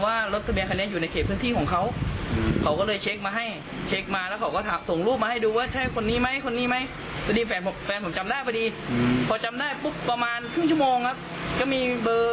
ฝ่ายนู้นโทรมาว่าจะขอคืนรถขอถอนแจ้งความได้ไหมอะไรแบบนี้